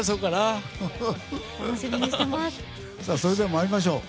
それでは、参りましょう。